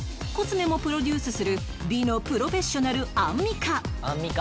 コスメもプロデュースする美のプロフェッショナルアンミカ